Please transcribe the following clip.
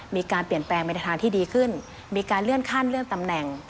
มีการเปลี่ยนแปลงไปในทางที่ดีขึ้นมีการเลื่อนขั้นเลื่อนตำแหน่ง